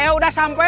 ya udah tunggu